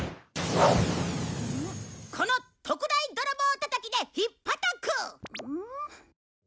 この特大ドロボーたたきで引っぱたく！